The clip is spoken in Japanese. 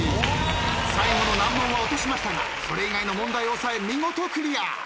最後の難問は落としましたがそれ以外の問題を押さえ見事クリア。